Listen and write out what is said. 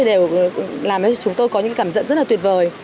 đều làm cho chúng tôi có những cảm giận rất là tuyệt vời